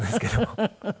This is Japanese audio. フフフフ。